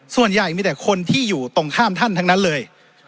ส่วนใหญ่มีแต่คนที่อยู่ตรงข้ามท่านทั้งนั้นเลย